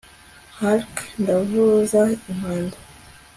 hark ndavuza impanda